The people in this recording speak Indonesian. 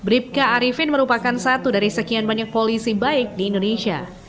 bribka arifin merupakan satu dari sekian banyak polisi baik di indonesia